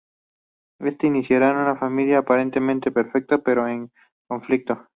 Esto iniciará una familia aparentemente perfecta, pero en conflicto.